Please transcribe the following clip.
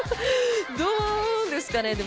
どうですかね？